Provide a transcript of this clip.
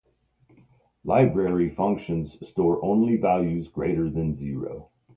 Library functions store only values greater than zero.